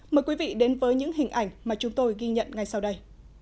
mời quý vị đến với những hình ảnh mà chúng tôi ghi nhận ngay sau đây